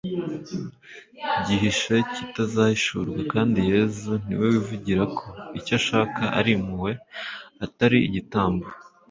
gihishe kitazahishurwa, kandi yezu niwe wivugira ko icyo ashaka ari impuhwe atari igitambo